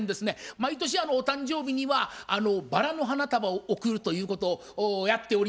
毎年お誕生日にはバラの花束を贈るということをやっておりました。